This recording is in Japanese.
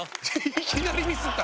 いきなりミスった。